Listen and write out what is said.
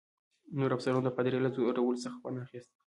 نورو افسرانو د پادري له ځورولو څخه خوند اخیست.